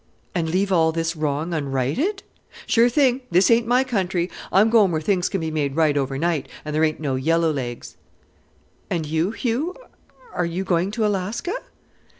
"And leave all this wrong unrighted?" "Sure thing; this ain't my country. I'm going where things can be made right overnight, and there ain't no yellow legs." "And you, Hugh, are you going to Alaska?"